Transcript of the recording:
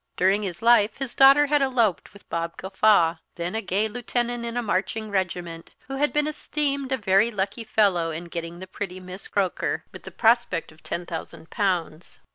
During his life his daughter had eloped with Bob Gawffaw, then a gay lieutenant in a marching regiment, who had been esteemed a very lucky fellow in getting the pretty Miss Croaker, with the prospect of ten thousand pounds.